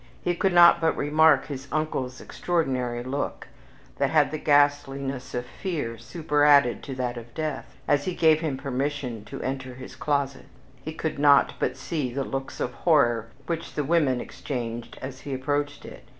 He could not but remark his uncle's extraordinary look, that had the ghastliness of fear superadded to that of death, as he gave him permission to enter his closet. He could not but see the looks of horror which the women exchanged as he approached it.